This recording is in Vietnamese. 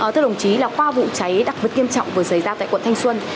thưa đồng chí qua vụ cháy đặc biệt kiêm trọng vừa xảy ra tại quận thanh xuân